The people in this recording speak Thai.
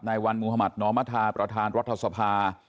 ในวันมุธมัธนอมธาประธานรัฐสภา